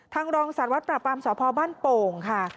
ทางรองศาสตร์วัดประปรามสภบ้านโป่งค่ะ